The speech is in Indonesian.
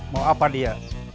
mau apa dia